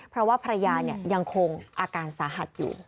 เพราะว่าภรรยายังคงอาการสาหัสอยู่